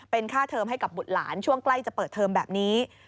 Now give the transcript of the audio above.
เป็นค่าเทอมให้กับบุตรหลานช่วงใกล้จะเปิดเทอมแบบนี้